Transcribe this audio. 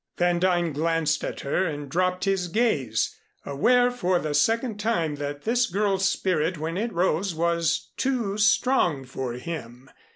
Van Duyn glanced at her and dropped his gaze, aware for the second time that this girl's spirit when it rose was too strong for him.